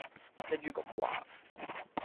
一於咁話